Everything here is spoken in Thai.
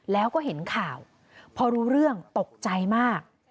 แล้วก็เห็นข่าวพอรู้เรื่องตกใจมาก